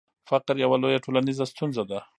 فقر یوه لویه ټولنیزه ستونزه ده.